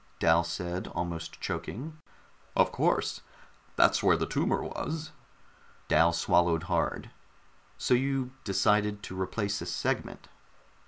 Dal said, almost choking. "Of course. That's where the tumor was." Dal swallowed hard. "So you just decided to replace a segment."